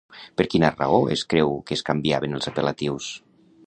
Per quina raó es creu que es canviaven els apel·latius?